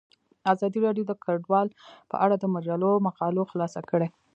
ازادي راډیو د کډوال په اړه د مجلو مقالو خلاصه کړې.